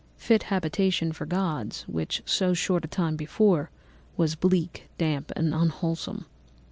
Fit habitation for gods, which, so short a time before, was bleak, damp, and unwholesome.